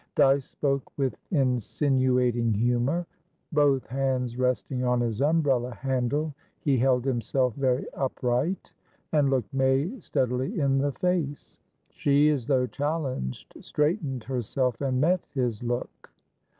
Dyce spoke with insinuating humour. Both hands resting on his umbrella handle, he held himself very upright, and looked May steadily in the face. She, as though challenged, straightened herself and met his look.